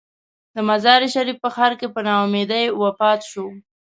د مزار شریف په ښار کې په نا امیدۍ وفات شو.